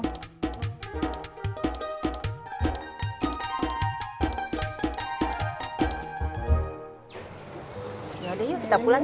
sampai jumpa di video selanjutnya